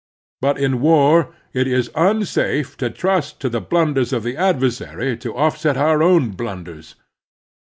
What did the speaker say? But in war it is tmsaf e to trust to the blunders of the adversary to offset our own blunders.